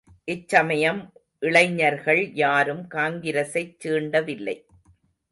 இச்சமயம் இளைஞர்கள் யாரும் காங்கிரசைச் சீண்டவில்லை.